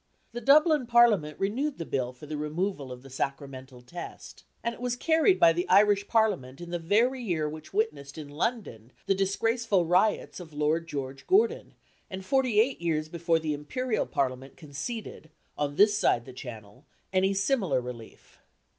The Dublin Parliament renewed the Bill for the removal of the Sacramental Test. And it was carried by the Irish Parliament in the very year which witnessed in London the disgraceful riots of Lord George Gordon, and forty eight years before the Imperial Parliament conceded, on this side the Channel, any similar relief.